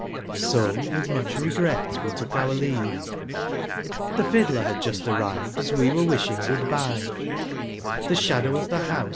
So, with much regret, we took our le.ave ; the fiddler had just arrived as we were W ishing goodbye ; the shadow of the house h.